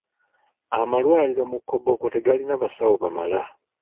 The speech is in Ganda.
Amalwaliro mu Koboko tegalina basawo bamala.